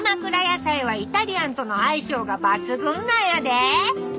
やさいはイタリアンとの相性が抜群なんやで。